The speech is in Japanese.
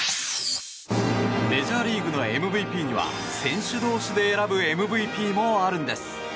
メジャーリーグのＭＶＰには選手同士で選ぶＭＶＰもあるんです。